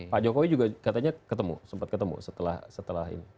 pak jokowi juga katanya ketemu sempat ketemu setelah ini